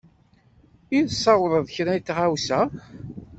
I tesweḍ kra n tɣawsa?